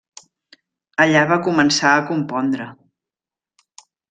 Allà va començar a compondre.